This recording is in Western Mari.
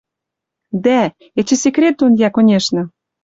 Дӓ! Эче секрет дон йӓ, конечно